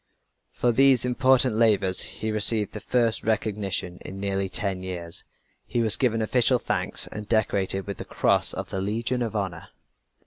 For these important labors he received the first recognition in nearly ten years. He was given official thanks, and decorated with the cross of the Legion of Honor.